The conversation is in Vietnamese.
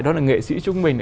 đó là nghệ sĩ chúng mình